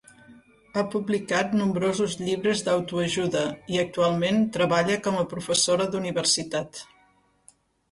Ha publicat nombrosos llibres d'autoajuda i actualment treballa com a professora d'universitat.